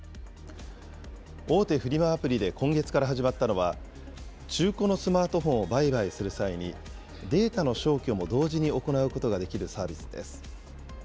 大手フリマアプリで今月から始まったのは、中古のスマートフォンを売買する際に、データの消去も同時に行うことができるサービスです。